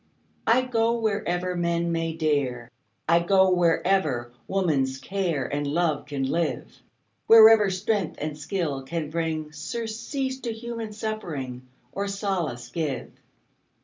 I go wherever men may dare, I go wherever woman's care And love can live, Wherever strength and skill can bring Surcease to human suffering, Or solace give.